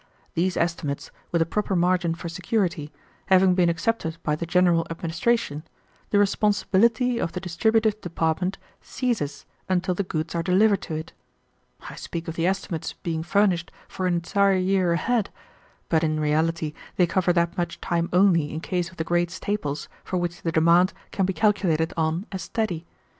These estimates, with a proper margin for security, having been accepted by the general administration, the responsibility of the distributive department ceases until the goods are delivered to it. I speak of the estimates being furnished for an entire year ahead, but in reality they cover that much time only in case of the great staples for which the demand can be calculated on as steady.